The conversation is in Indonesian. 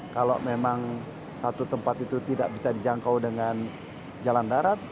kalau memang satu tempat itu tidak bisa dijangkau dengan jalan darat